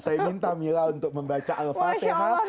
saya minta mila untuk membaca al fatihah